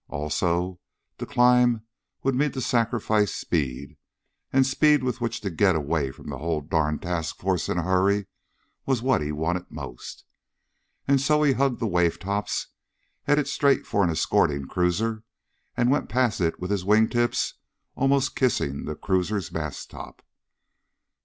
Also, to climb would mean to sacrifice speed, and speed with which to get away from the whole darn task force in a hurry was what he wanted most. And so he hugged the wave tops, headed straight for an escorting cruiser, and went past it with his wingtips almost kissing the cruiser's mast top.